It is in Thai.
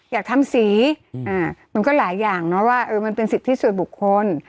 อยากทำสีมันก็หลายอย่างเนอะว่ามันเป็นสิทธิส่วนบุคคล